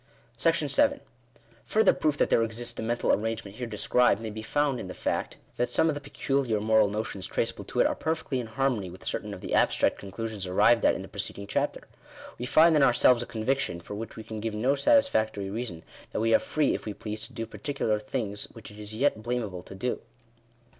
§ 7. Further proof that there exists the mental arrangement here described, may be found in the fact, that some of the peculiar moral notions traceable to it are perfectly in harmony with certain of the abstract conclusions arrived at in the preceding chapter. We find in ourselves a conviction, for which we can give no satisfactory reason, that we are free, if we please, to do particular things which it is yet blamable to do.